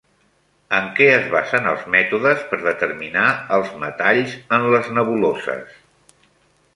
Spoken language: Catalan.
En què es basen els mètodes per determinar els metalls en les nebuloses?